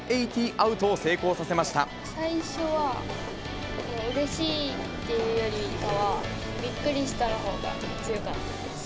アウトを成功最初はうれしいっていうよりかは、びっくりしたのほうが強かったです。